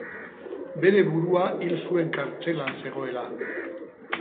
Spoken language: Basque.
Bere burua hil zuen kartzelan zegoela.